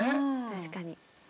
確かに。